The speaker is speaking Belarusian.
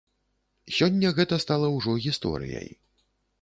Сёння гэта стала ўжо гісторыяй.